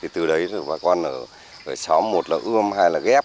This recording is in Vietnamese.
từ đấy bà con ở xóm một là ươm hai là ghép